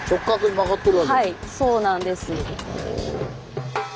はいそうなんです。